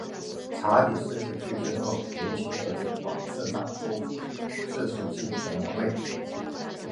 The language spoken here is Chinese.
查理四世去世后由其儿子瓦茨拉夫四世继承王位。